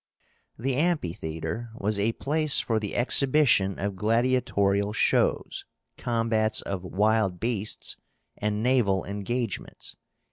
The AMPHITHEATRE was a place for the exhibition of gladiatorial shows, combats of wild beasts, and naval engagements.